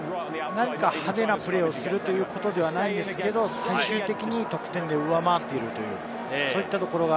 何か派手なプレーをするということではないんですけれど、最終的に得点で上回っているという、そういったところが。